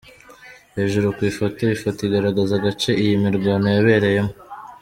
Hejuru ku ifoto: Ifoto igaragaza agace iyi mirwano yabereyemo.